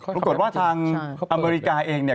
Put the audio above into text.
ปรากฏว่าทางอเมริกาเองเนี่ย